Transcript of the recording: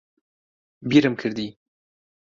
بیرم کردی